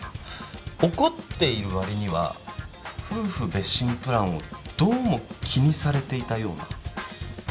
怒っている割には夫婦別寝プランをどうも気にされていたような。